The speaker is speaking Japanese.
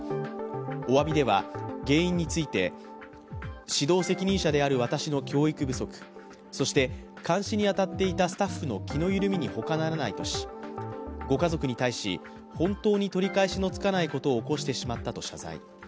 おわびでは、原因について指導責任者である私の教育不足、そして、監視に当たっていたスタッフの気の緩みにほかならない年ご家族に対し、本当に取り返しのつかないことを起こしてしまったと謝罪。